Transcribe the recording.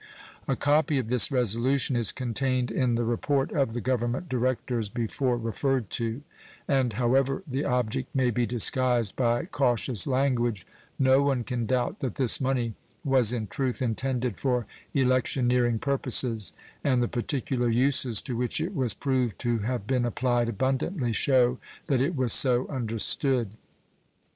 A copy of this resolution is contained in the report of the Government directors before referred to, and how ever the object may be disguised by cautious language, no one can doubt that this money was in truth intended for electioneering purposes, and the particular uses to which it was proved to have been applied abundantly show that it was so understood.